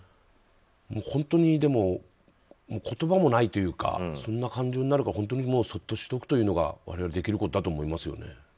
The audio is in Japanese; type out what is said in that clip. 本当に言葉もないというかそっとしておくというのが我々できることだと思いますよね。